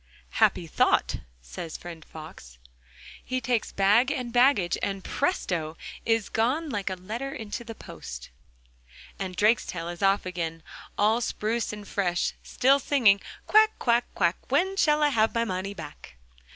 'Happy thought!' says friend Fox. He takes bag and baggage, and, presto! is gone like a letter into the post. And Drakestail is off again, all spruce and fresh, still singing: 'Quack, quack, quack, when shall I have my money back?